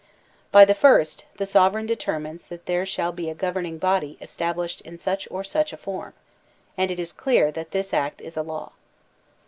By the first, the sovereign determines that there shall be a governing body established in such or such a form ; and it is clear that this act is a law.